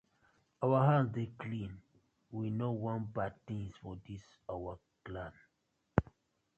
Our hands dey clean, we no wan bad tinz for dis our clan.